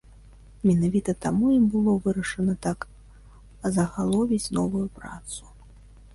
Менавіта таму і было вырашана так азагаловіць новую працу.